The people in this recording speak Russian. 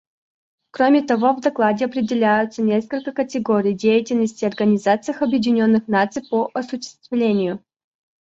Кроме того, в докладе определяются несколько категорий деятельности Организации Объединенных Наций по осуществлению.